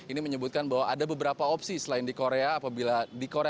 ini menyebutkan bahwa ada beberapa opsi selain di korea apabila di korea